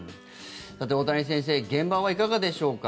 さて、大谷先生現場はいかがでしょうか。